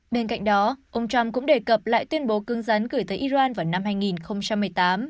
bên cạnh đó ông trump cũng đề cập lại tuyên bố cứng rắn gửi tới iran vào năm hai nghìn một mươi tám